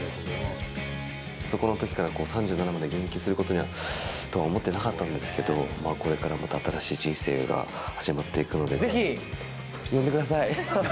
初回のときから３７歳まで、現役することになるとは思ってなかったんですけど、これからまた新しい人生が始まっていくので、ぜひ呼んでください！